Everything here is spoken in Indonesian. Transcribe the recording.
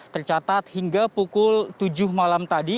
tercatat hingga pukul tujuh malam tadi